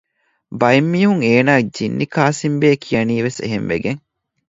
ބައެއް މީހުން އޭނާއަށް ޖިންނި ކާސިމްބެއޭ ކިޔަނީވެސް އެހެންވެގެން